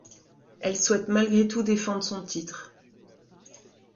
Elle souhaite malgré tout défendre son titre.